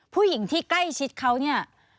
ผู้หญิงที่ใกล้ชิดเขาเนี่ย